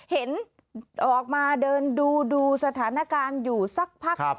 เห็นออกมาเดินดูสถานการณ์อยู่สักพัก